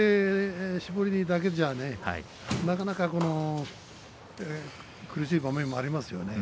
絞りだけじゃなかなか苦しい場面もありますよね。